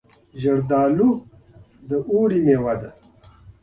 زردالو د اوړي مېوه ده.